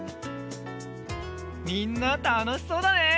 みんなたのしそうだね！